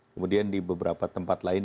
kemudian di beberapa tempat lain